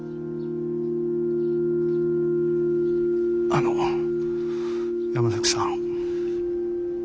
あの山崎さん。